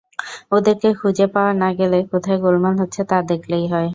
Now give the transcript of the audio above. ওদেরকে খুঁজে পাওয়া না গেলে কোথায় গোলমাল হচ্ছে, তা দেখলেই হয়।